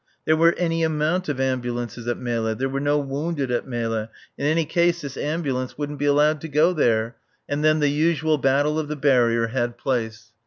There were any amount of ambulances at Melle. There were no wounded at Melle. And in any case this ambulance wouldn't be allowed to go there. And then the usual battle of the barrier had place.